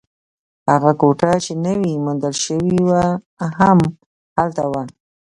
هغه کوټه چې نوې موندل شوې وه، هم هلته وه.